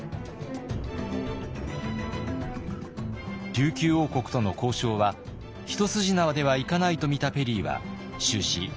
琉球王国との交渉は一筋縄ではいかないとみたペリーは終始強気の姿勢を貫きます。